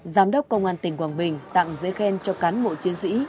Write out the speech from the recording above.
giám đốc công an tỉnh quảng bình tặng dễ khen cho cán mộ chiến sĩ